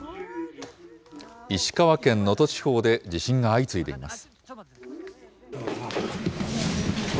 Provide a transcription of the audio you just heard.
石川県能登地方で地震が相次いでいます。